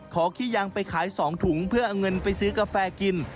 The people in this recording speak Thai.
ขี้ยางไปขาย๒ถุงเพื่อเอาเงินไปซื้อกาแฟกิน